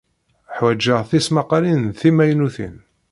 Ḥwajeɣ tismaqqalin d timaynutin.